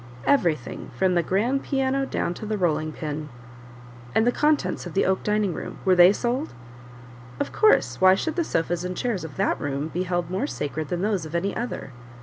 "Everything from the grand piano down to the rolling pin." "And the contents of the oak dining room were they sold?" "Of course; why should the sofas and chairs of that room be held more sacred than those of any other?"